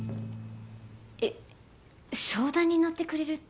え相談に乗ってくれるって。